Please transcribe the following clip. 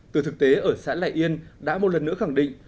từ thực tế ở xã lại yên đã một lần nữa khẳng định